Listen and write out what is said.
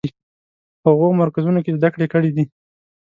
هغو مرکزونو کې زده کړې کړې دي.